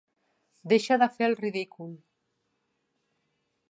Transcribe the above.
Deixa de fer el ridícul.